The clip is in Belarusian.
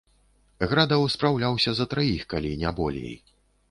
Градаў спраўляўся за траіх, калі не болей.